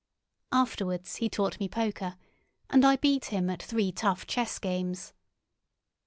Afterwards he taught me poker, and I beat him at three tough chess games.